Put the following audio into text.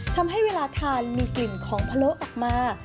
ทำให้เวลาทานมีกลิ่นของพะโล้ออกมา